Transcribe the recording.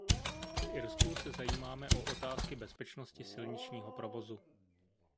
V Irsku se zajímáme o otázky bezpečnosti silničního provozu.